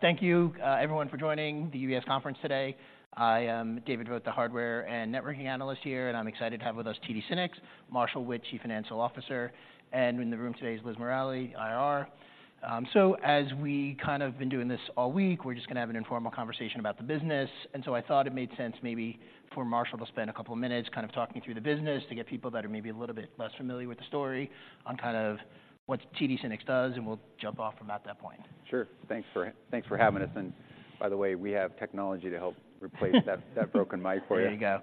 Thank you, everyone, for joining the UBS conference today. I am David Vogt, the Hardware and Networking Analyst here, and I'm excited to have with us TD SYNNEX, Marshall Witt, Chief Financial Officer, and in the room today is Liz Morali, IR. So as we kind of been doing this all week, we're just gonna have an informal conversation about the business, and so I thought it made sense maybe for Marshall to spend a couple of minutes kind of talking through the business to get people that are maybe a little bit less familiar with the story on kind of what TD SYNNEX does, and we'll jump off from about that point. Sure. Thanks for having us, and by the way, we have technology to help replace that broken mic for you. There you go.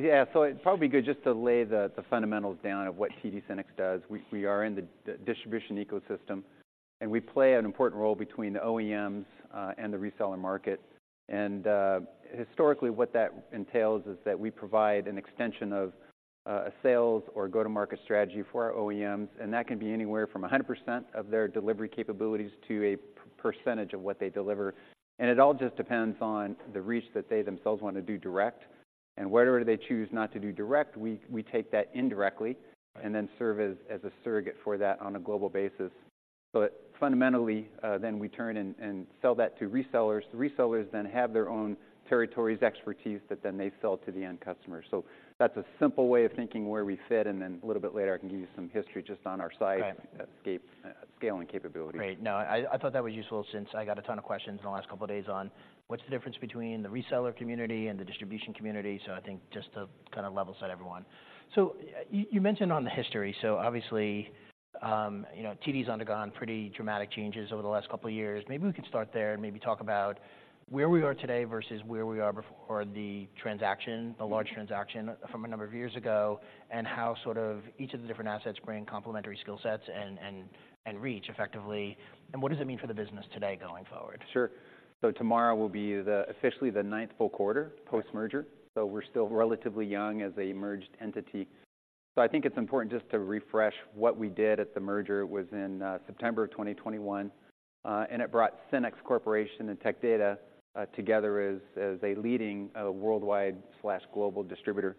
Yeah, so it's probably good just to lay the fundamentals down of what TD SYNNEX does. We are in the distribution ecosystem, and we play an important role between the OEMs and the reseller market. And historically, what that entails is that we provide an extension of a sales or go-to-market strategy for our OEMs, and that can be anywhere from 100% of their delivery capabilities to a percentage of what they deliver. And it all just depends on the reach that they themselves want to do direct. And wherever they choose not to do direct, we take that indirectly and then serve as a surrogate for that on a global basis. But fundamentally, then we turn and sell that to resellers. The resellers then have their own territories, expertise, that then they sell to the end customer. So that's a simple way of thinking where we fit, and then a little bit later, I can give you some history just on our size, Right.... CapEx, scale and capability. Great. No, I thought that was useful since I got a ton of questions in the last couple of days on what's the difference between the reseller community and the distribution community, so I think just to kind of level set everyone. So you mentioned on the history, so obviously, you know, TD's undergone pretty dramatic changes over the last couple of years. Maybe we could start there and maybe talk about where we are today versus where we were before or the transaction, the large transaction from a number of years ago, and how sort of each of the different assets bring complementary skill sets and reach effectively, and what does it mean for the business today going forward? Sure. So tomorrow will be officially the ninth full quarter post-merger. Right. So we're still relatively young as a merged entity. So I think it's important just to refresh what we did at the merger. It was in September of 2021, and it brought SYNNEX Corporation and Tech Data together as a leading worldwide/global distributor.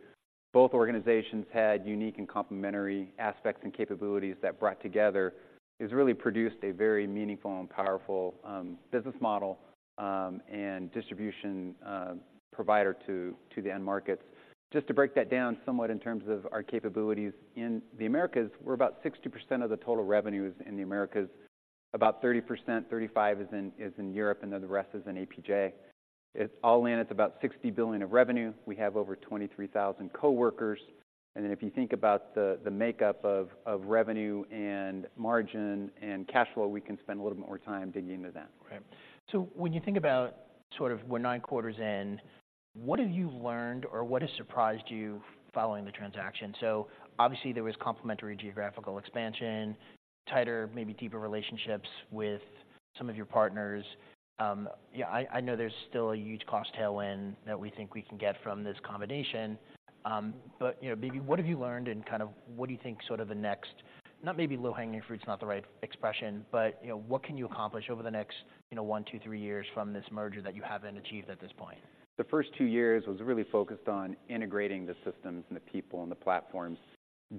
Both organizations had unique and complementary aspects and capabilities that, brought together, has really produced a very meaningful and powerful business model, and distribution provider to the end markets. Just to break that down somewhat in terms of our capabilities in the Americas, we're about 60% of the total revenues in the Americas. About 30%-35% is in Europe, and then the rest is in APJ. It's all in; it's about $60 billion of revenue. We have over 23,000 coworkers. If you think about the makeup of revenue and margin and cash flow, we can spend a little bit more time digging into that. Right. So when you think about sort of we're 9 quarters in, what have you learned or what has surprised you following the transaction? So obviously there was complementary geographical expansion, tighter, maybe deeper relationships with some of your partners. Yeah, I, I know there's still a huge cost tailwind that we think we can get from this combination. But, you know, maybe what have you learned and kind of what do you think sort of the next... Not maybe low-hanging fruit, it's not the right expression, but, you know, what can you accomplish over the next, you know, one, two, three years from this merger that you haven't achieved at this point? The first two years was really focused on integrating the systems and the people and the platforms.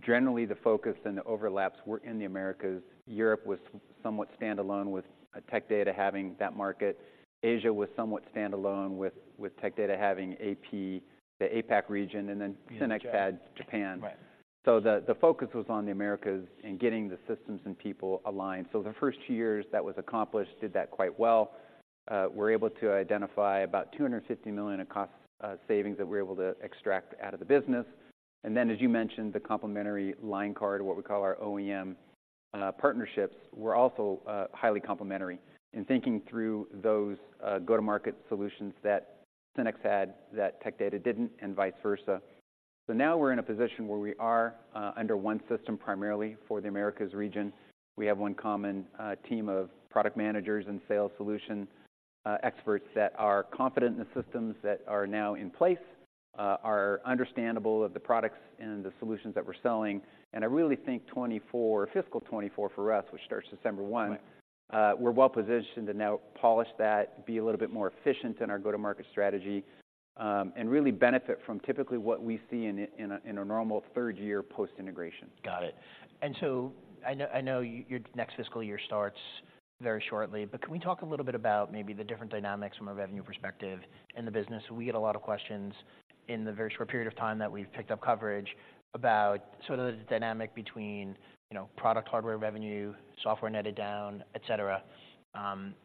Generally, the focus and the overlaps were in the Americas. Europe was somewhat standalone with Tech Data having that market. Asia was somewhat standalone with Tech Data having AP, the APAC region, and then SYNNEX, Right.... had Japan. Right. So the focus was on the Americas and getting the systems and people aligned. So the first two years, that was accomplished, did that quite well. We're able to identify about $250 million in cost savings that we're able to extract out of the business. And then, as you mentioned, the complementary line card, what we call our OEM partnerships, were also highly complementary in thinking through those go-to-market solutions that SYNNEX had, that Tech Data didn't, and vice versa. So now we're in a position where we are under one system, primarily for the Americas region. We have one common team of product managers and sales solution experts that are confident in the systems that are now in place, are understandable of the products and the solutions that we're selling. I really think 2024, fiscal 2024 for us, which starts December 1, Right. We're well positioned to now polish that, be a little bit more efficient in our go-to-market strategy, and really benefit from typically what we see in a normal third year post-integration. Got it. And so I know, I know your next fiscal year starts very shortly, but can we talk a little bit about maybe the different dynamics from a revenue perspective in the business? We get a lot of questions in the very short period of time that we've picked up coverage about sort of the dynamic between, you know, product hardware revenue, software netted down, etcetera,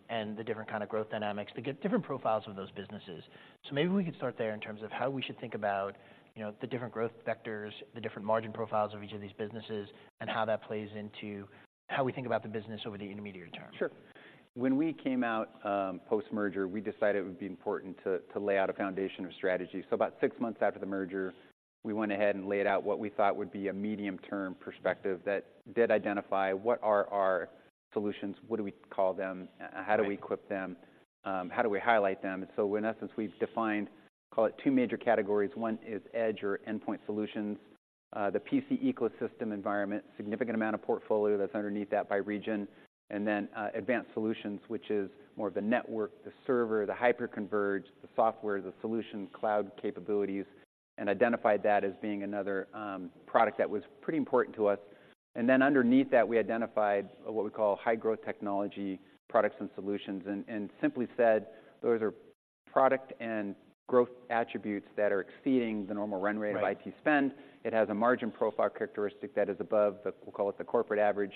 and the different kind of growth dynamics to get different profiles of those businesses. So maybe we could start there in terms of how we should think about, you know, the different growth vectors, the different margin profiles of each of these businesses, and how that plays into how we think about the business over the intermediate term. Sure. When we came out, post-merger, we decided it would be important to lay out a foundation of strategy. So about six months after the merger, we went ahead and laid out what we thought would be a medium-term perspective that did identify what are our solutions, what do we call them, Right.... how do we equip them, how do we highlight them? And so in essence, we've defined, call it two major categories. One is edge or Endpoint Solutions, the PC ecosystem environment, significant amount of portfolio that's underneath that by region, and then, Advanced Solutions, which is more the network, the server, the hyperconverged, the software, the solution, cloud capabilities... and identified that as being another, product that was pretty important to us. And then underneath that, we identified what we call High Growth Technology products and solutions. And simply said, those are product and growth attributes that are exceeding the normal run rate, Right. - of IT spend. It has a margin profile characteristic that is above the, we'll call it, the corporate average,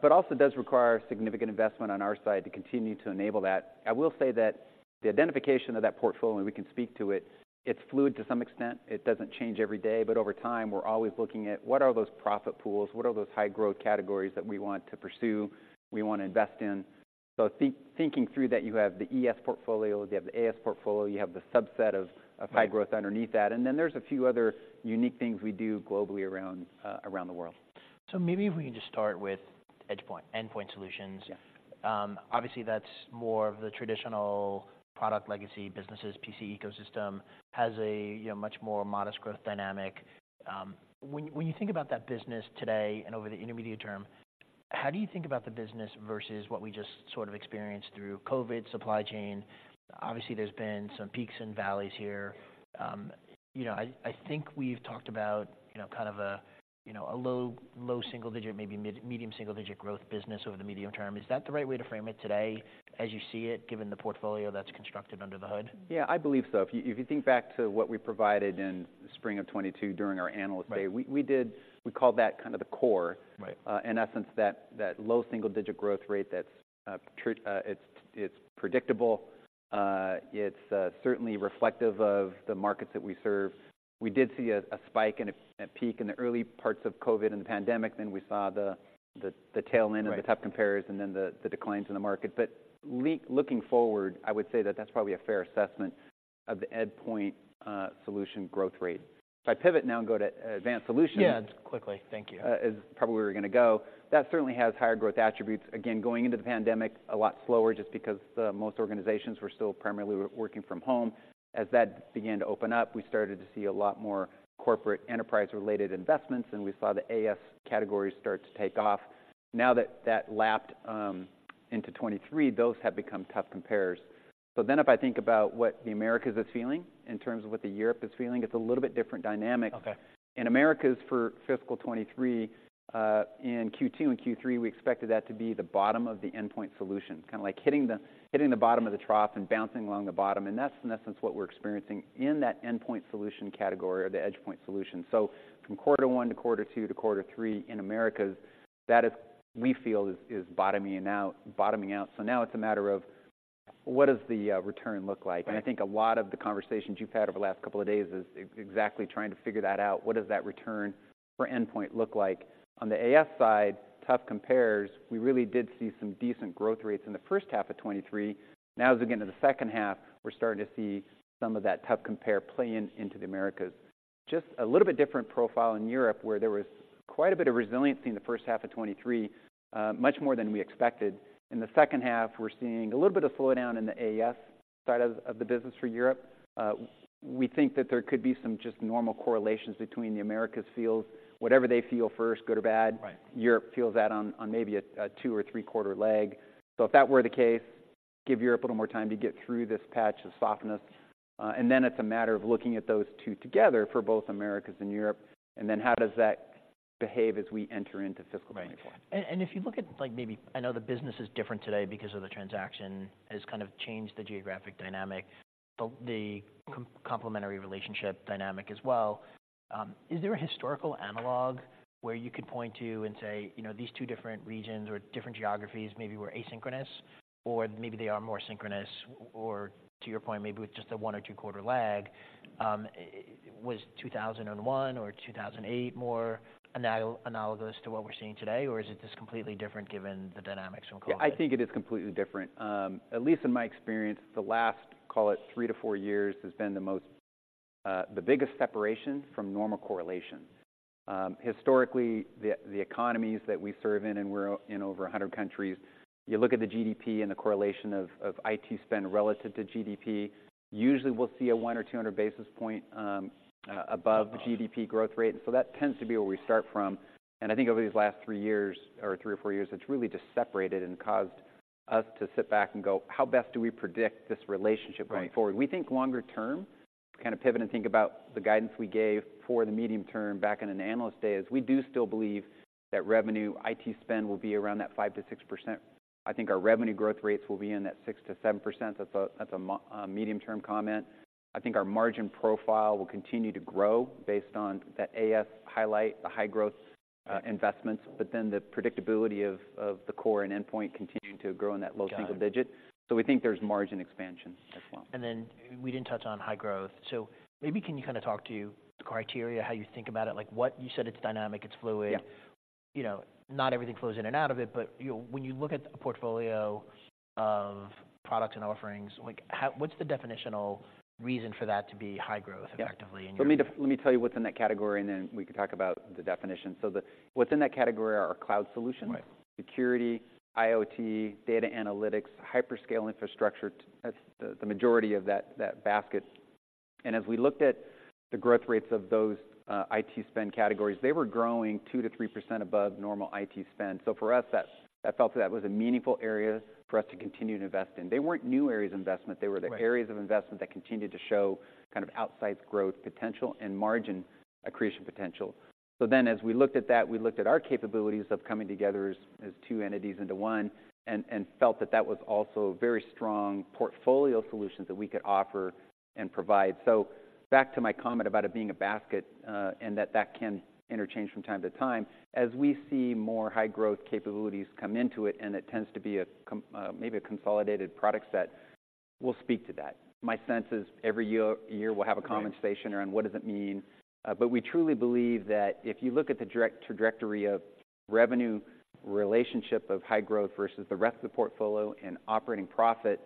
but also does require significant investment on our side to continue to enable that. I will say that the identification of that portfolio, and we can speak to it, it's fluid to some extent. It doesn't change every day, but over time, we're always looking at what are those profit pools? What are those high growth categories that we want to pursue, we want to invest in? So thinking through that, you have the ES portfolio, you have the AS portfolio, you have the subset of, Right. of high growth underneath that. And then there's a few other unique things we do globally around the world. Maybe if we can just start with Endpoint Solutions. Yeah. Obviously, that's more of the traditional product legacy businesses. PC ecosystem has a, you know, much more modest growth dynamic. When you think about that business today and over the intermediate term, how do you think about the business versus what we just sort of experienced through COVID, supply chain? Obviously, there's been some peaks and valleys here. You know, I, I think we've talked about, you know, kind of a, you know, a low, low single digit, maybe mid- medium single digit growth business over the medium term. Is that the right way to frame it today as you see it, given the portfolio that's constructed under the hood? Yeah, I believe so. If you, if you think back to what we provided in the spring of 2022 during our analyst day, Right.... we called that kind of the core. Right. In essence, that low single digit growth rate, that's true—it's certainly reflective of the markets that we serve. We did see a spike and a peak in the early parts of COVID and the pandemic. Then we saw the tail end, Right. - of the tough compares and then the declines in the market. But looking forward, I would say that that's probably a fair assessment of the endpoint solution growth rate. If I pivot now and go to advanced solutions, Yeah, quickly. Thank you. is probably where we're gonna go. That certainly has higher growth attributes. Again, going into the pandemic a lot slower, just because most organizations were still primarily working from home. As that began to open up, we started to see a lot more corporate enterprise-related investments, and we saw the AS category start to take off. Now that that lapped into 2023, those have become tough compares. So then if I think about what the Americas is feeling in terms of what the Europe is feeling, it's a little bit different dynamic. Okay. In Americas, for fiscal 2023, in Q2 and Q3, we expected that to be the bottom of the Endpoint Solutions. Kinda like hitting the, hitting the bottom of the trough and bouncing along the bottom, and that's in essence what we're experiencing in that Endpoint Solutions category or the Endpoint Solutions. So from quarter one to quarter two to quarter three in Americas, that is we feel is, is bottoming out, bottoming out. So now it's a matter of what does the return look like? Right. I think a lot of the conversations you've had over the last couple of days is exactly trying to figure that out. What does that return for endpoint look like? On the AS side, tough compares. We really did see some decent growth rates in the first half of 2023. Now, as we get into the second half, we're starting to see some of that tough compare playing into the Americas. Just a little bit different profile in Europe, where there was quite a bit of resiliency in the first half of 2023, much more than we expected. In the second half, we're seeing a little bit of slowdown in the AS side of the business for Europe. We think that there could be some just normal correlations between the Americas feels, whatever they feel first, good or bad, Right.... Europe feels that on maybe a two or three-quarter lag. So if that were the case, give Europe a little more time to get through this patch of softness. And then it's a matter of looking at those two together for both Americas and Europe, and then how does that behave as we enter into fiscal 2024? Right. And if you look at, like, maybe... I know the business is different today because of the transaction, has kind of changed the geographic dynamic, but the complementary relationship dynamic as well. Is there a historical analog where you could point to and say, "You know, these two different regions or different geographies maybe were asynchronous, or maybe they are more synchronous," or to your point, maybe with just a one- or two-quarter lag? Was 2001 or 2008 more analogous to what we're seeing today, or is it just completely different given the dynamics from COVID? Yeah, I think it is completely different. At least in my experience, the last, call it three to four years, has been the most, the biggest separation from normal correlations. Historically, the economies that we serve in, and we're in over 100 countries, you look at the GDP and the correlation of IT spend relative to GDP, usually we'll see a 100 or 200 basis point above the GDP growth rate. So that tends to be where we start from, and I think over these last three years, or three or four years, it's really just separated and caused us to sit back and go, "How best do we predict this relationship going forward? Right. We think longer term, to kind of pivot and think about the guidance we gave for the medium term back in an analyst day, is we do still believe that revenue IT spend will be around that 5%-6%. I think our revenue growth rates will be in that 6%-7%. That's a medium term comment. I think our margin profile will continue to grow based on that AS highlight, the high growth investments, but then the predictability of the core and endpoint continuing to grow in that low single digit. Got it. We think there's margin expansion as well. And then we didn't touch on high growth, so maybe can you kind of talk to the criteria, how you think about it? Like, what... You said it's dynamic, it's fluid. Yeah. You know, not everything flows in and out of it, but, you know, when you look at a portfolio of products and offerings, like, what's the definitional reason for that to be high growth, Yeah.... effectively in your view? Let me tell you what's in that category, and then we can talk about the definition. So what's in that category are our cloud solutions,. Right.... security, IoT, data analytics, hyperscale infrastructure. That's the majority of that basket. And as we looked at the growth rates of those IT spend categories, they were growing 2%-3% above normal IT spend. So for us, that felt that was a meaningful area for us to continue to invest in. They weren't new areas of investment. Right. They were the areas of investment that continued to show kind of outsized growth, potential and margin accretion potential. So then as we looked at that, we looked at our capabilities of coming together as two entities into one, and felt that that was also very strong portfolio solutions that we could offer and provide. So back to my comment about it being a basket, and that, that can interchange from time to time. As we see more high growth capabilities come into it, and it tends to be a com-, maybe a consolidated product set, we'll speak to that. My sense is every year we'll have a conversation, Right. around what does it mean? But we truly believe that if you look at the direct trajectory of revenue, relationship of high growth versus the rest of the portfolio and operating profit,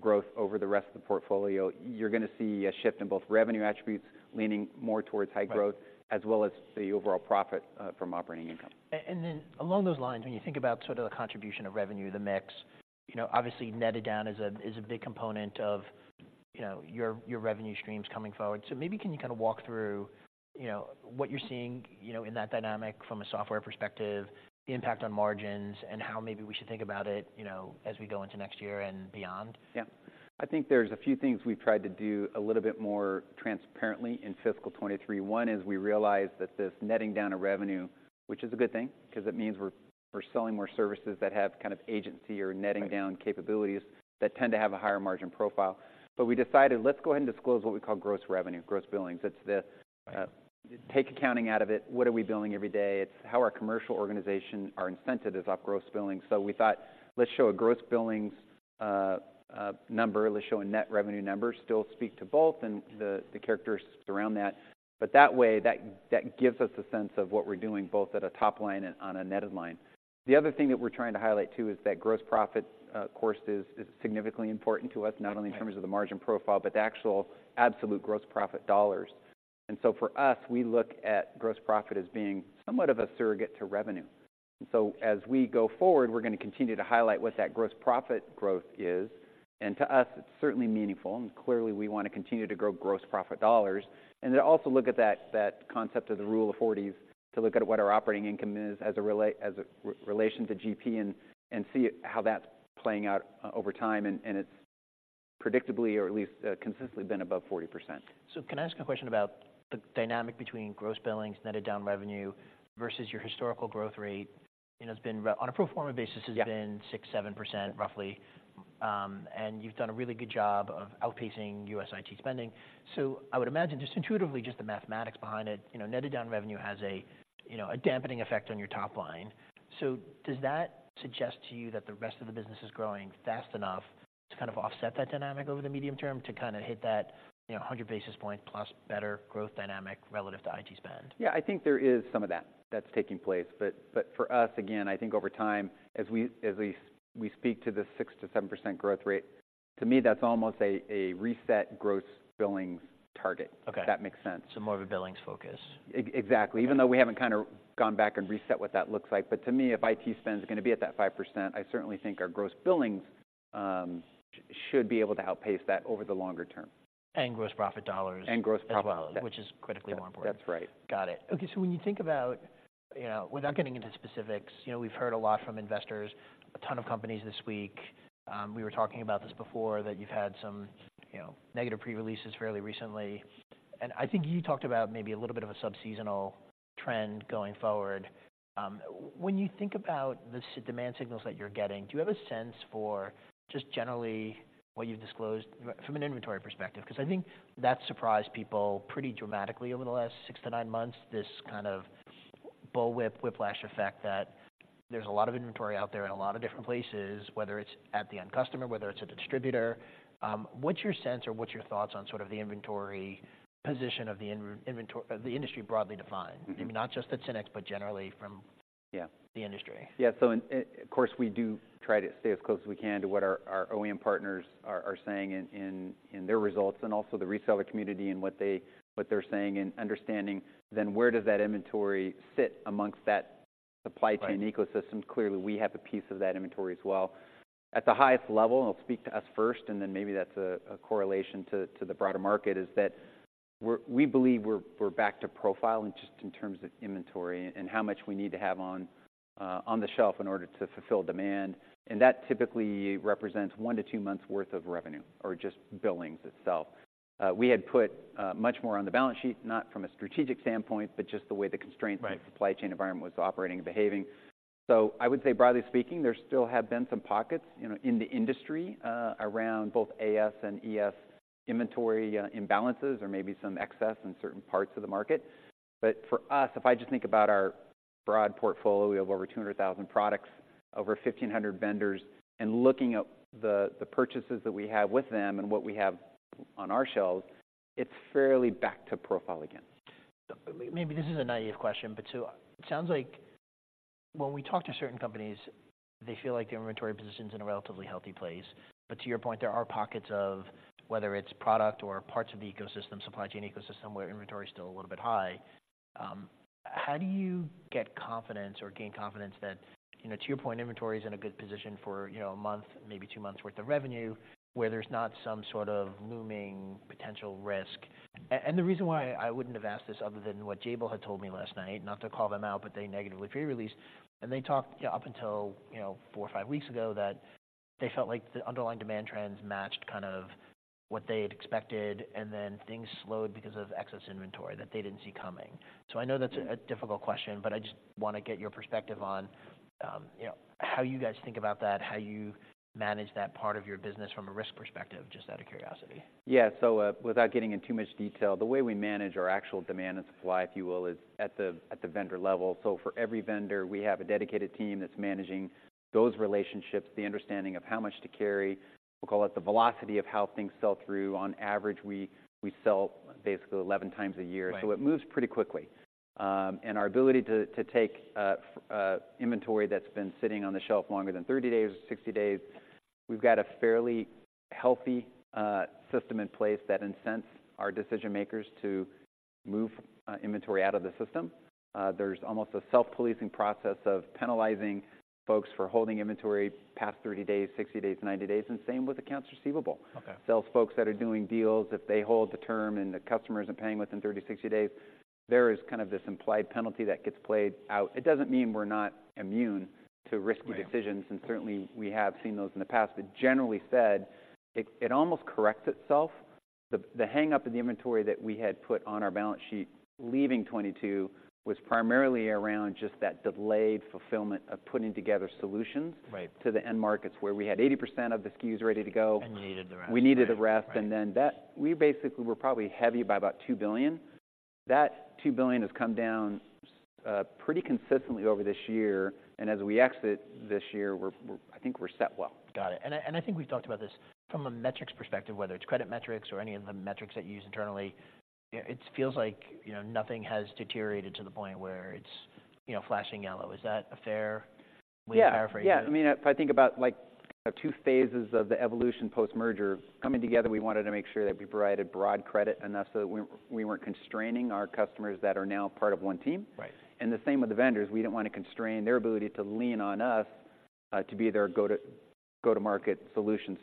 growth over the rest of the portfolio, you're gonna see a shift in both revenue attributes leaning more towards high growth, Right. - as well as the overall profit from operating income. And then along those lines, when you think about sort of the contribution of revenue, the mix, you know, obviously, netted down is a, is a big component of, you know, your, your revenue streams coming forward. So maybe, can you kind of walk through, you know, what you're seeing, you know, in that dynamic from a software perspective, the impact on margins, and how maybe we should think about it, you know, as we go into next year and beyond? Yeah. I think there's a few things we've tried to do a little bit more transparently in fiscal 2023. One is we realized that this netting down of revenue, which is a good thing because it means we're selling more services that have kind of agency or netting, Right. down capabilities that tend to have a higher margin profile. But we decided, let's go ahead and disclose what we call gross revenue, gross billings. It's the, Right.... take accounting out of it, what are we billing every day? It's how our commercial organization, our incentive is off gross billings. So we thought, let's show a gross billings number, let's show a net revenue number, still speak to both and the characteristics around that. But that way, that gives us a sense of what we're doing, both at a top line and on a netted line. The other thing that we're trying to highlight, too, is that gross profit, of course, is significantly important to us, not only, Right. In terms of the margin profile, but the actual absolute gross profit dollars. So for us, we look at gross profit as being somewhat of a surrogate to revenue. So as we go forward, we're gonna continue to highlight what that gross profit growth is. And to us, it's certainly meaningful, and clearly, we want to continue to grow gross profit dollars. And then also look at that concept of the Rule of 40, to look at what our operating income is as a relation to GP and see how that's playing out over time. And it's predictably, or at least consistently, been above 40%. So can I ask a question about the dynamic between gross billings, netted down revenue, versus your historical growth rate? It has been on a pro forma basis, Yeah. has been 6-7%, roughly. And you've done a really good job of outpacing U.S. IT spending. So I would imagine, just intuitively, just the mathematics behind it, you know, netted down revenue has a, you know, a dampening effect on your top line. So does that suggest to you that the rest of the business is growing fast enough to kind of offset that dynamic over the medium term, to kind of hit that, you know, 100 basis points plus better growth dynamic relative to IT spend? Yeah, I think there is some of that that's taking place. But for us, again, I think over time, as we speak to the 6%-7% growth rate, to me, that's almost a reset gross billings target. Okay. If that makes sense. More of a billings focus? Ex- exactly. Okay. Even though we haven't kind of gone back and reset what that looks like. But to me, if IT spend is gonna be at that 5%, I certainly think our gross billings should be able to outpace that over the longer term. And gross profit dollars, Gross profit, yeah. as well, which is critically more important. That's right. Got it. Okay, so when you think about... You know, without getting into specifics, you know, we've heard a lot from investors, a ton of companies this week. We were talking about this before, that you've had some, you know, negative pre-releases fairly recently. And I think you talked about maybe a little bit of a sub-seasonal trend going forward. When you think about the demand signals that you're getting, do you have a sense for just generally what you've disclosed from an inventory perspective? Because I think that surprised people pretty dramatically over the last 6-9 months, this kind of bullwhip whiplash effect, that there's a lot of inventory out there in a lot of different places, whether it's at the end customer, whether it's at the distributor. What's your sense, or what's your thoughts on sort of the inventory position of the inventory, the industry broadly defined? Mm-hmm. Maybe not just at SYNNEX, but generally from, Yeah.... the industry. Yeah. So, of course, we do try to stay as close as we can to what our OEM partners are saying in their results, and also the reseller community and what they're saying, and understanding then where does that inventory sit amongst that supply chain, Right. ecosystem? Clearly, we have a piece of that inventory as well. At the highest level, I'll speak to us first, and then maybe that's a correlation to the broader market, is that we believe we're back to profile in just in terms of inventory and how much we need to have on the shelf in order to fulfill demand, and that typically represents one to two months' worth of revenue or just billings itself. We had put much more on the balance sheet, not from a strategic standpoint, but just the way the constraints, Right. - of the supply chain environment was operating and behaving. So I would say, broadly speaking, there still have been some pockets, you know, in the industry, around both AS and ES inventory, imbalances or maybe some excess in certain parts of the market. But for us, if I just think about our broad portfolio, we have over 200,000 products, over 1,500 vendors, and looking at the, the purchases that we have with them and what we have on our shelves, it's fairly back to profile again. Maybe this is a naïve question, but so it sounds like when we talk to certain companies, they feel like the inventory position's in a relatively healthy place. But to your point, there are pockets of whether it's product or parts of the ecosystem, supply chain ecosystem, where inventory is still a little bit high. How do you get confidence or gain confidence that, you know, to your point, inventory is in a good position for, you know, a month, maybe two months' worth of revenue, where there's not some sort of looming potential risk? And the reason why I wouldn't have asked this other than what Jabil had told me last night, not to call them out, but they negatively pre-released, and they talked, up until, you know, four or five weeks ago, that they felt like the underlying demand trends matched kind of what they had expected, and then things slowed because of excess inventory that they didn't see coming. So I know that's a difficult question, but I just want to get your perspective on, you know, how you guys think about that, how you manage that part of your business from a risk perspective, just out of curiosity. Yeah. So, without getting into too much detail, the way we manage our actual demand and supply, if you will, is at the vendor level. So for every vendor, we have a dedicated team that's managing those relationships, the understanding of how much to carry. We'll call it the velocity of how things sell through. On average, we sell basically 11 times a year. Right. It moves pretty quickly. And our ability to take inventory that's been sitting on the shelf longer than 30 days or 60 days, we've got a fairly healthy system in place that incents our decision makers to move inventory out of the system. There's almost a self-policing process of penalizing folks for holding inventory past 30 days, 60 days, 90 days, and same with accounts receivable. Okay. Sales folks that are doing deals, if they hold the term and the customer isn't paying within 30-60 days, there is kind of this implied penalty that gets played out. It doesn't mean we're not immune to risky, Right.... decisions, and certainly we have seen those in the past. But generally said, it almost corrects itself. The hang-up in the inventory that we had put on our balance sheet leaving 2022 was primarily around just that delayed fulfillment of putting together solutions, Right. - to the end markets, where we had 80% of the SKUs ready to go. You needed the rest. We needed the rest. Right. Then that... We basically were probably heavy by about $2 billion. That $2 billion has come down pretty consistently over this year, and as we exit this year, we're—I think we're set well. Got it. And I think we've talked about this from a metrics perspective, whether it's credit metrics or any of the metrics that you use internally, it feels like, you know, nothing has deteriorated to the point where it's, you know, flashing yellow. Is that a fair way to paraphrase it? Yeah. Yeah. I mean, if I think about, like, the two phases of the evolution post-merger, coming together, we wanted to make sure that we provided broad credit enough so that we, we weren't constraining our customers that are now part of one team. Right. The same with the vendors. We didn't want to constrain their ability to lean on us to be their go-to-market solution.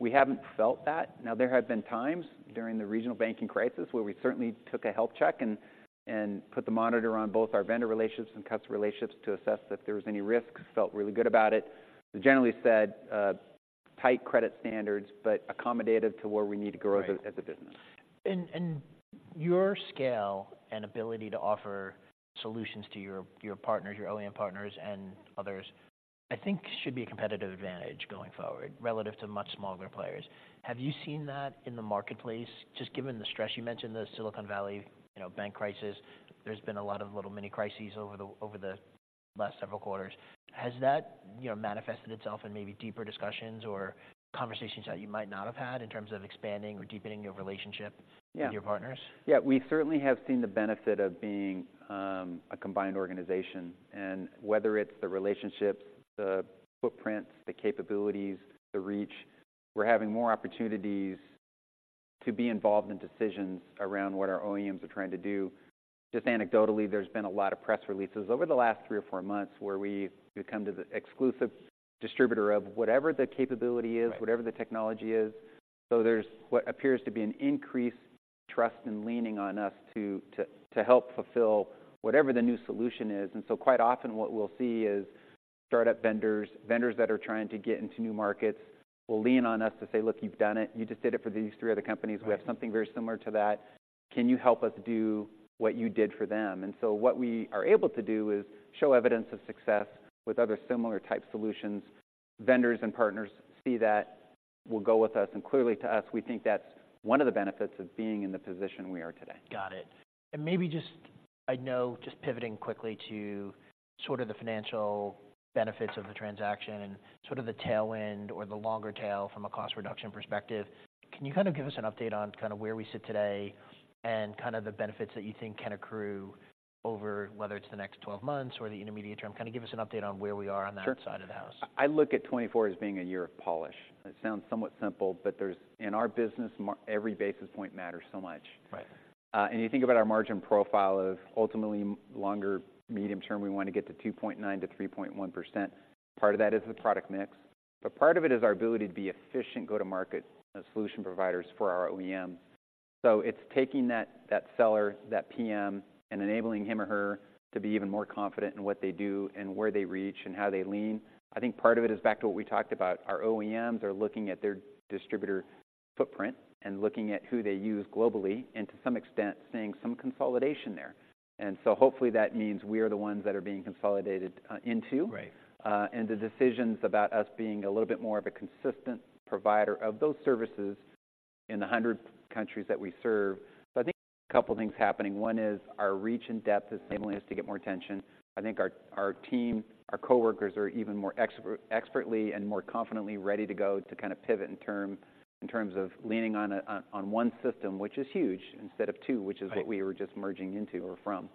We haven't felt that. Now, there have been times during the regional banking crisis where we certainly took a health check and put the monitor on both our vendor relationships and customer relationships to assess if there was any risk. Felt really good about it. Generally said, tight credit standards, but accommodative to where we need to grow. Right.... as a business. And your scale and ability to offer solutions to your partners, your OEM partners and others, I think should be a competitive advantage going forward relative to much smaller players. Have you seen that in the marketplace, just given the stress? You mentioned the Silicon Valley, you know, bank crisis. There's been a lot of little mini crises over the last several quarters. Has that, you know, manifested itself in maybe deeper discussions or conversations that you might not have had in terms of expanding or deepening your relationship, Yeah. - with your partners? Yeah. We certainly have seen the benefit of being a combined organization. And whether it's the relationships, the footprint, the capabilities, the reach, we're having more opportunities to be involved in decisions around what our OEMs are trying to do. Just anecdotally, there's been a lot of press releases over the last three or four months where we've become the exclusive distributor of whatever the capability is, Right.... whatever the technology is. So there's what appears to be an increased trust in leaning on us to help fulfill whatever the new solution is. And so quite often what we'll see is startup vendors, vendors that are trying to get into new markets, will lean on us to say, "Look, you've done it. You just did it for these three other companies. Right. We have something very similar to that. Can you help us do what you did for them?" So what we are able to do is show evidence of success with other similar type solutions. Vendors and partners see that, will go with us, and clearly to us, we think that's one of the benefits of being in the position we are today. Got it. And maybe just... I know, just pivoting quickly to sort of the financial benefits of the transaction and sort of the tailwind or the longer tail from a cost reduction perspective, can you kind of give us an update on kind of where we sit today and kind of the benefits that you think can accrue over, whether it's the next 12 months or the intermediate term? Kind of give us an update on where we are on that, Sure. side of the house. I look at 2024 as being a year of polish. It sounds somewhat simple, but there's... In our business, every basis point matters so much. Right. And you think about our margin profile of ultimately longer medium term, we want to get to 2.9%-3.1%. Part of that is the product mix, but part of it is our ability to be efficient go-to-market solution providers for our OEMs. So it's taking that, that seller, that PM, and enabling him or her to be even more confident in what they do and where they reach and how they lean. I think part of it is back to what we talked about. Our OEMs are looking at their distributor footprint and looking at who they use globally, and to some extent, seeing some consolidation there. And so hopefully, that means we are the ones that are being consolidated into. Right. And the decisions about us being a little bit more of a consistent provider of those services in the 100 countries that we serve. So I think a couple things happening. One is our reach and depth is enabling us to get more attention. I think our, our team, our coworkers, are even more expertly and more confidently ready to go to kind of pivot in terms of leaning on, on one system, which is huge, instead of two, Right.... which is what we were just merging into or from.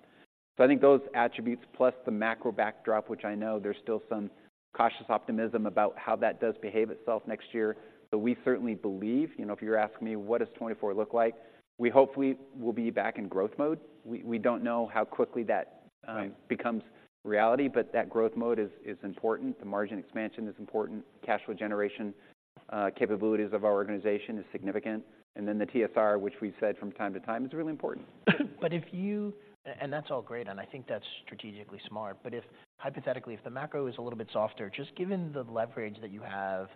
So I think those attributes, plus the macro backdrop, which I know there's still some cautious optimism about how that does behave itself next year. So we certainly believe, you know, if you're asking me, what does 2024 look like? We hopefully will be back in growth mode. We, we don't know how quickly that becomes reality, but that growth mode is, is important. The margin expansion is important. Cash flow generation capabilities of our organization is significant. And then the TSR, which we've said from time to time, is really important. But if you and that's all great, and I think that's strategically smart, but if, hypothetically, the macro is a little bit softer, just given the leverage that you have,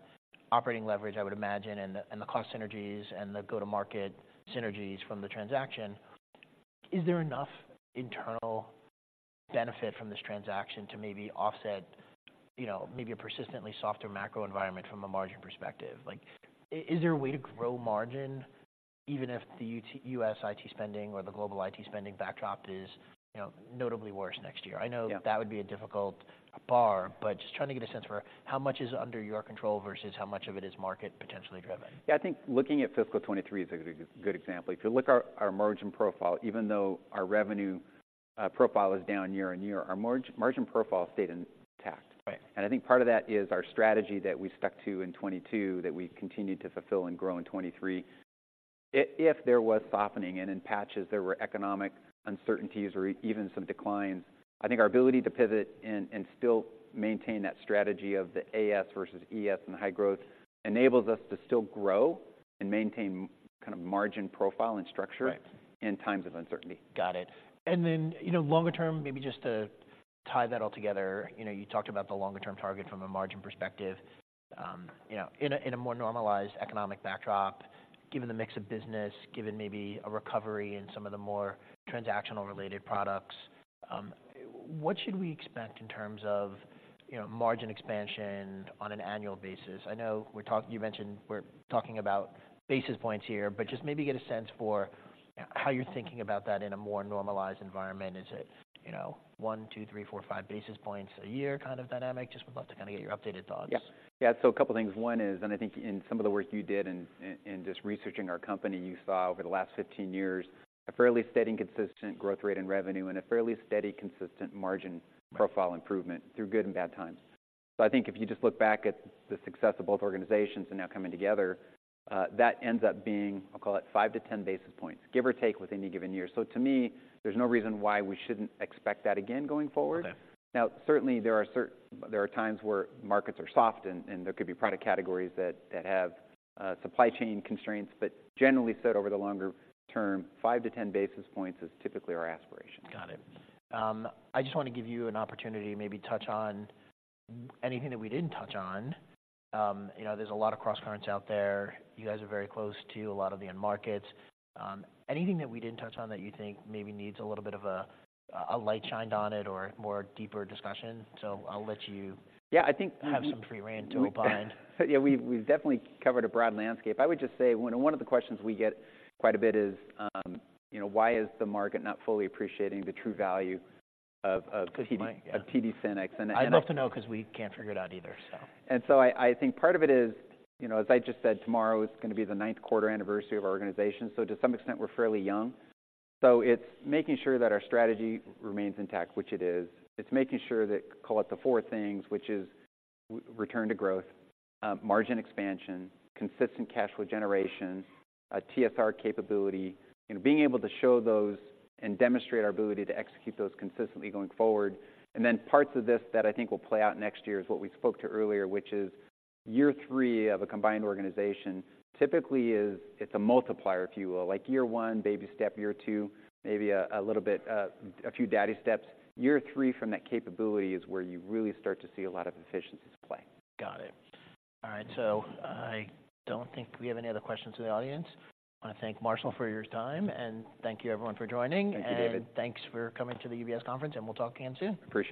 operating leverage, I would imagine, and the cost synergies and the go-to-market synergies from the transaction, is there enough internal benefit from this transaction to maybe offset, you know, maybe a persistently softer macro environment from a margin perspective? Like, is there a way to grow margin even if the U.S. IT spending or the global IT spending backdrop is, you know, notably worse next year? Yeah. I know that would be a difficult bar, but just trying to get a sense for how much is under your control versus how much of it is market potentially driven? Yeah, I think looking at fiscal 2023 is a good example. If you look at our margin profile, even though our revenue profile is down year-on-year, our margin profile stayed intact. Right. And I think part of that is our strategy that we stuck to in 2022, that we continued to fulfill and grow in 2023. If there was softening in patches, there were economic uncertainties or even some declines, I think our ability to pivot and still maintain that strategy of the AS versus ES and high growth enables us to still grow and maintain kind of margin profile and structure, Right.... in times of uncertainty. Got it. And then, you know, longer term, maybe just to tie that all together, you know, you talked about the longer term target from a margin perspective. You know, in a more normalized economic backdrop, given the mix of business, given maybe a recovery in some of the more transactional-related products, what should we expect in terms of, you know, margin expansion on an annual basis? I know you mentioned we're talking about basis points here, but just maybe get a sense for how you're thinking about that in a more normalized environment. Is it, you know, one, two, three, four, five basis points a year kind of dynamic? Just would love to kind of get your updated thoughts. Yeah. Yeah, so a couple things. One is, and I think in some of the work you did in just researching our company, you saw over the last 15 years, a fairly steady and consistent growth rate in revenue and a fairly steady, consistent margin, Right.... profile improvement through good and bad times. So I think if you just look back at the success of both organizations and now coming together, that ends up being, I'll call it, 5-10 basis points, give or take, with any given year. So to me, there's no reason why we shouldn't expect that again going forward. Okay. Now, certainly, there are times where markets are soft and there could be product categories that have supply chain constraints, but generally said, over the longer term, 5-10 basis points is typically our aspiration. Got it. I just want to give you an opportunity to maybe touch on anything that we didn't touch on. You know, there's a lot of crosscurrents out there. You guys are very close to a lot of the end markets. Anything that we didn't touch on that you think maybe needs a little bit of a light shined on it or more deeper discussion? So I'll let you, Yeah, I think, have some free rein to opine. Yeah, we've definitely covered a broad landscape. I would just say, one of the questions we get quite a bit is, you know, why is the market not fully appreciating the true value of TD SYNNEX, Good point, yeah.... of TD SYNNEX? I'd love to know, 'cause we can't figure it out either, so, And so I, I think part of it is, you know, as I just said, tomorrow is gonna be the ninth quarter anniversary of our organization, so to some extent, we're fairly young. So it's making sure that our strategy remains intact, which it is. It's making sure that, call it the four things, which is return to growth, margin expansion, consistent cash flow generation, a TSR capability, and being able to show those and demonstrate our ability to execute those consistently going forward. And then parts of this that I think will play out next year is what we spoke to earlier, which is year three of a combined organization typically is... It's a multiplier, if you will. Like, year one, baby step. Year two, maybe a little bit, a few daddy steps. Year three from that capability is where you really start to see a lot of efficiencies play. Got it. All right, so I don't think we have any other questions from the audience. I want to thank Marshall for your time, and thank you, everyone, for joining. Thank you, David. Thanks for coming to the UBS conference, and we'll talk again soon. Appreciate it.